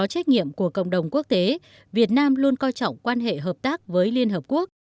trách nhiệm của cộng đồng quốc tế việt nam luôn coi trọng quan hệ hợp tác với liên hợp quốc